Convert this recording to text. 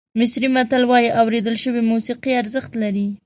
مصري متل وایي اورېدل شوې موسیقي ارزښت لري.